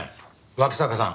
脇坂さん